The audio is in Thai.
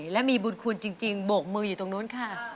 และมีบุญคุณจริงโบกมืออยู่ตรงนู้นค่ะ